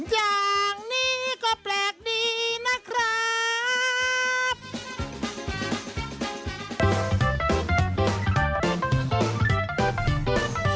อย่างนี้ก็แปลกดีนะครับ